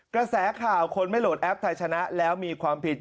กระแสข่าวคนไม่โหลดแอปไทยชนะแล้วมีความผิด